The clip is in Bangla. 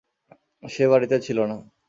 সে বাড়িতে ছিল না।